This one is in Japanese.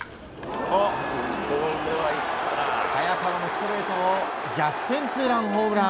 早川のストレートを逆転ツーランホームラン！